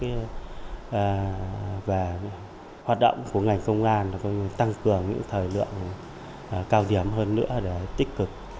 vì vậy công an xã thân mỹ có thể tăng cường những thời lượng cao điểm hơn nữa để tích cực